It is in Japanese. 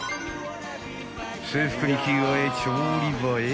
［制服に着替え調理場へ］